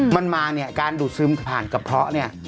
มันมาการดูดซึมผ่านกระเพราะ